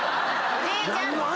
おじいちゃん！